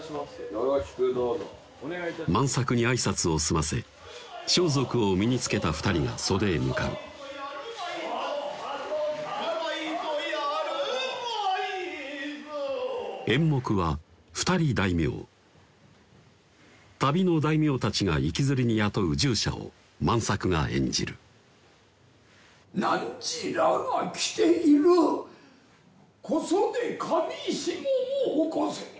よろしくどうぞ万作に挨拶を済ませ装束を身につけた２人が袖へ向かう演目は「二人大名」旅の大名たちが行きずりに雇う従者を万作が演じる「汝らが着ている小袖裃をおこせ」